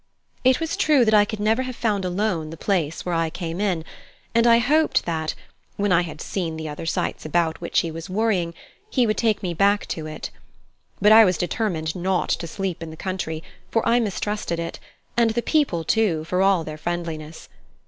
It was true that I could have never found alone the place where I came in, and I hoped that, when I had seen the other sights about which he was worrying, he would take me back to it. But I was determined not to sleep in the country, for I mistrusted it, and the people too, for all their friendliness.